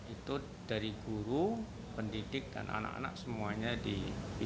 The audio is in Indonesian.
itu dari guru pendidik dan anak anak semuanya diberikan